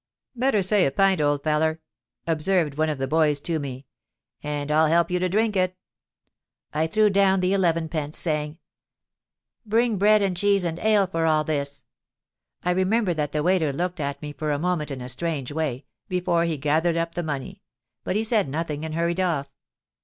'Better say a pint, old feller,' observed one of the boys to me: 'and I'll help you to drink it.'—I threw down the eleven pence, saying, 'Bring bread and cheese and ale for all this.'—I remember that the waiter looked at me for a moment in a strange way, before he gathered up the money; but he said nothing, and hurried off.